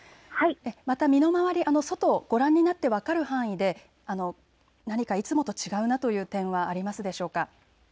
また身の回り、外、ご覧になって分かる範囲で何かいつもと違うという点はありますでしょうか。